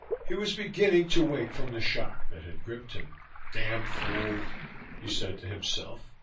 He was beginning to wake from the shock that had gripped him. "Damn fool," he said to himself.